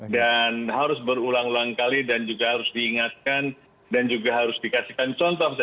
dan harus berulang ulang kali dan juga harus diingatkan dan juga harus dikasihkan contoh